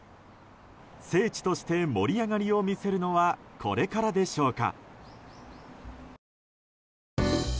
聖地として盛り上がりを見せるのはこれからでしょうか。